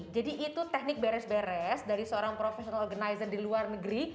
jadi itu teknik beres beres dari seorang professional organizer di luar negeri